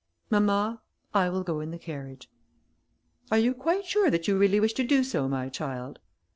"Mamma, I will go in the carriage." "Are you quite sure that you really wish to do so, my child?"